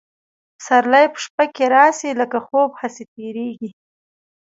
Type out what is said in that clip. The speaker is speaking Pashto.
پسرلي په شپه کي راسي لکه خوب هسي تیریږي